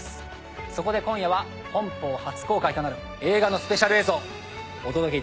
そこで今夜は本邦初公開となる映画のスペシャル映像お届けいたします。